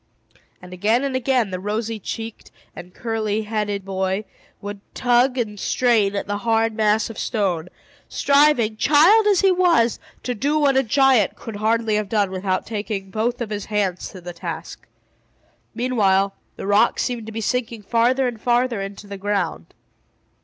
And again and again the rosy checked and curly headed boy would tug and strain at the huge mass of stone, striving, child as he was, to do what a giant could hardly have done without taking both of his great hands to the task. Meanwhile the rock seemed to be sinking farther and farther into the ground.